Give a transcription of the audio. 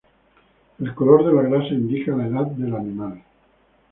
El color de la grasa indica la edad del animal.